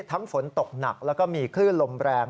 ฝนตกหนักแล้วก็มีคลื่นลมแรง